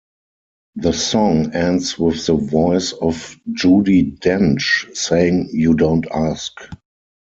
The song ends with the voice of Judi Dench saying You don't ask.